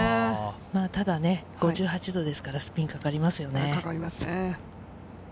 ただ５８度ですから、スピンがかかりますね。